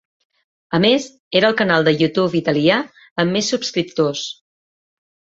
A més, era el canal de YouTube italià amb més subscriptors.